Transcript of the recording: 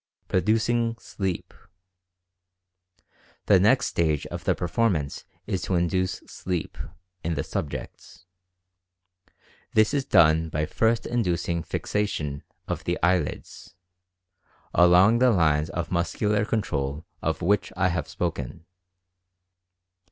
PRODUCING "SLEEP" (?). The next stage in the performance is to induce "sleep" (?) in the subjects. This is done by first inducing fixation of the eye lids, along the lines of muscular control of which I have spoken.